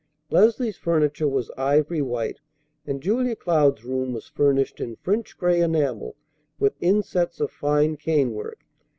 Leslie's furniture was ivory white, and Julia Cloud's room was furnished in French gray enamel, with insets of fine cane work.